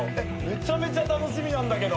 めちゃめちゃ楽しみなんだけど。